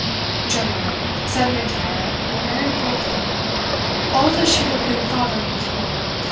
"Gentlemen," said M'Intyre, very coldly, "all this should have been thought of before.